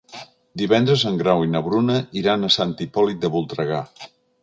Divendres en Grau i na Bruna iran a Sant Hipòlit de Voltregà.